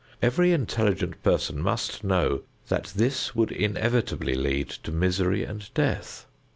Every intelligent person must know that this would inevitably lead to misery and death.